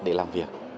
để làm việc